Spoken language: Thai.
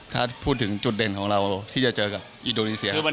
ถ้าพูดถึงจุดเด่นของเราที่จะเจอกับอินโดนีเซีย